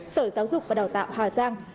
sở giáo dục và đào tạo hà giang